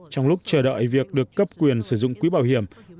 trong lúc chờ đợi việc được cấp quyền sử dụng quỹ bảo hiểm